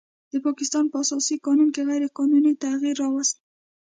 د پاکستان په اساسي قانون کې غیر قانوني تغیر راوست